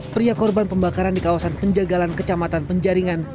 pria korban pembakaran di kawasan penjagalan kecamatan penjaringan